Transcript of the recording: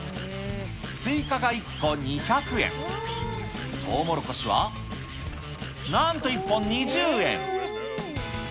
スイカが１個２００円、トウモロコシは、なんと１本２０円。